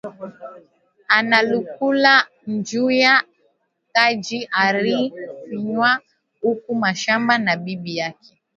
Analukula njuya Kaji ari fwanya ku mashamba na bibi yake